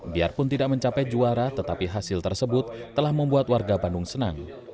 biarpun tidak mencapai juara tetapi hasil tersebut telah membuat warga bandung senang